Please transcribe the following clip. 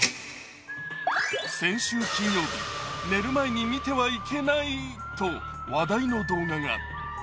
先週金曜日、寝る前に見てはいけないと話題の動画が。